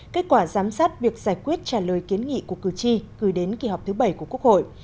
kết quả giám sát việc giải quyết trả lời kiến nghị của cử tri gửi đến kỳ họp thứ bảy của quốc hội